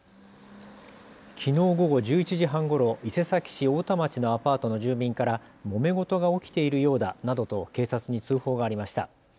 きのう午後１１時半ごろ、伊勢崎市太田町のアパートの住民からもめ事が起きているようだなどと警察に通報がありました。